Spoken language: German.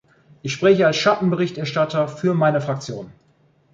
Ich spreche als Schattenberichterstatter für meine Fraktion.